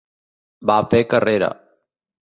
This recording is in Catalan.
Va fer carrera.